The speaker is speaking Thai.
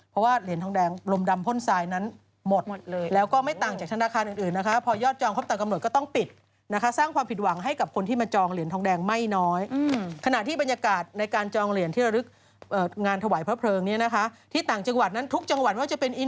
เพราะว่าเหรียญทองแดงรมดำพ่นทรายนั้นหมดแล้วก็ไม่ต่างจากธนาคารอื่น